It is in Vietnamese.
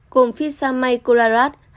gồm phít sa mai cô la rát